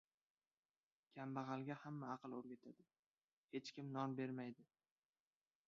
• Kambag‘alga hamma aql o‘rgatadi, hech kim non bermaydi.